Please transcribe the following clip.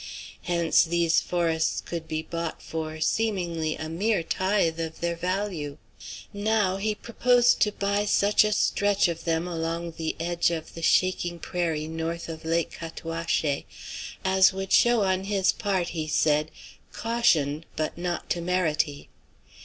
Hence these forests could be bought for, seemingly, a mere tithe of their value. Now, he proposed to buy such a stretch of them along the edge of the shaking prairie north of Lake Cataouaché as would show on his part, he said, "caution, but not temerity."